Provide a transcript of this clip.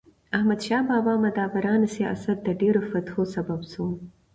احمدشاه بابا مدبرانه سیاست د ډیرو فتحو سبب سو.